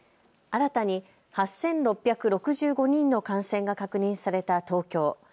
新たに８６６５人の感染が確認された東京。